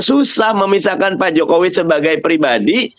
susah memisahkan pak jokowi sebagai pribadi